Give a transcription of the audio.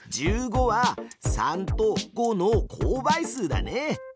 １５は３と５の公倍数だね！